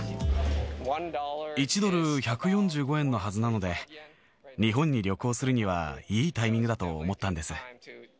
１ドル１４５円のはずなので、日本に旅行するにはいいタイミングだと思ったんです。